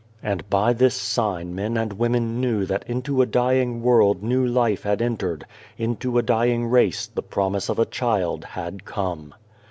And by this sign men and women knew that into a dying world new life had entered, unto a dying race the promise of a child had come.